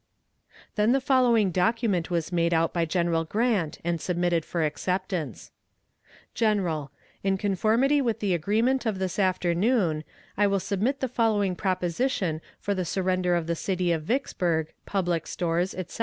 Then the following document was made out by General Grant, and submitted for acceptance: GENERAL In conformity with the agreement of this afternoon, I will submit the following proposition for the surrender of the city of Vicksburg, public stores, etc.